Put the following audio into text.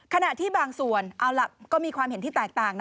ขณะที่บางส่วนเอาล่ะก็มีความเห็นที่แตกต่างนะ